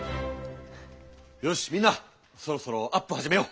よしみんなそろそろアップ始めよう！アップ！